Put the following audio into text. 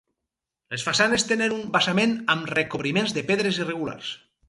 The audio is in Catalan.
Les façanes tenen un basament amb recobriment de pedres irregulars.